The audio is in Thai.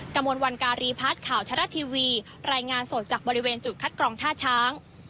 กระมวลวันการีพัฒน์ข่าวทรัฐทีวีรายงานสดจากบริเวณจุดคัดกรองท่าช้าง